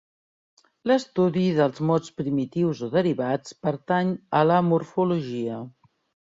L'estudi dels mots primitius o derivats pertany a la morfologia.